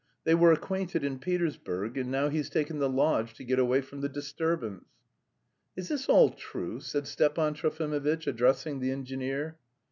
They were acquainted in Petersburg, and now he's taken the lodge to get away from the disturbance." "Is this all true?" said Stepan Trofimovitch, addressing the engineer.